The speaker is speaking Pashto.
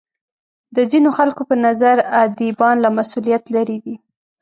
د ځینو خلکو په نظر ادیبان له مسولیت لرې دي.